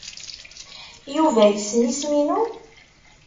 Yuba yessen isem-inu?